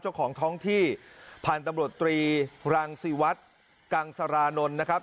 เจ้าของท้องที่พันธุ์ตำรวจตรีรังศิวัตรกังสรานนท์นะครับ